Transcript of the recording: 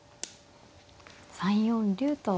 ３四竜と。